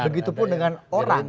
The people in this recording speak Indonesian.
begitupun dengan orang